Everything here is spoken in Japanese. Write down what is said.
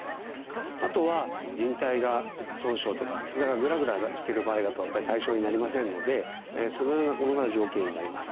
あとはじん帯損傷とかひざがグラグラしている場合だとやっぱり対象になりませんのでそのようなものが条件になります。